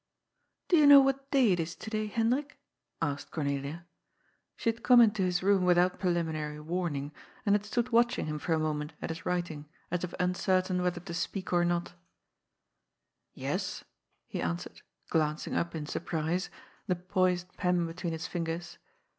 " Do you know what day it is to day, Hendrik? " asked Cornelia. She had come into his room without preliminary warning, and had stood watching him for a moment at his writing, as if uncertain whether to speak or not '' Yes," he answered, glancing up in surprise, the poised pen between his fingers.